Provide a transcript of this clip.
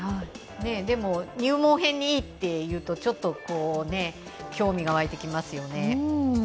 でも入門編にいいというと、ちょっと興味が湧いてきますよね。